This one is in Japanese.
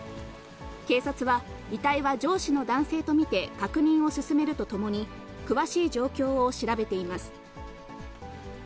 警察は、遺体は上司の男性と見て、確認を進めるとともに、詳しい状況を調べています。